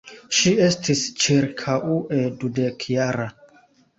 Ŝi estis ĉirkaŭe dudekjara.